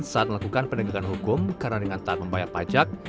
saat melakukan peningkatan hukum karena dengan tak membayar pajak